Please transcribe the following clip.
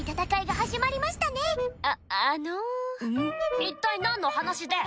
一体何の話です？